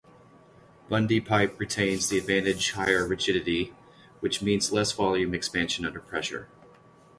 Bundy pipe retains the advantage higher rigidity, which means less volume expansion under pressure.